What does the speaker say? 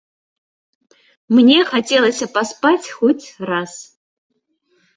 Мне хацелася паспаць хоць раз.